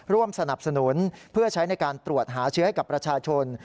ร่วมสนับสนุนเพื่อใช้ในการตรวจหาเชื้อให้กับประชาชน